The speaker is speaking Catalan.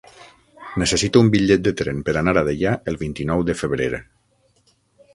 Necessito un bitllet de tren per anar a Deià el vint-i-nou de febrer.